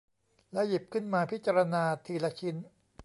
แล้วหยิบขึ้นมาพิจารณาทีละชิ้น